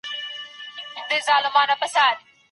د جمهورو فقهاوو نظر په دې اړه څه دی؟